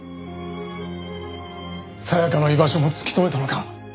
沙也加の居場所も突き止めたのか！？